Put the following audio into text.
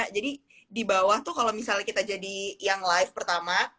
jadi di bawah tuh kalau misalnya kita jadi yang live pertama